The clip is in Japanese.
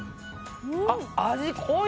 あっ味濃い。